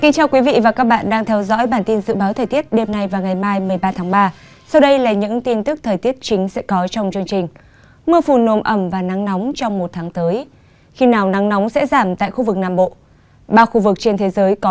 các bạn hãy đăng ký kênh để ủng hộ kênh của chúng mình nhé